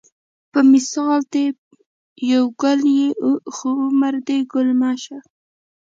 په مثال دې یو ګل یې خو عمر دې ګل مه شه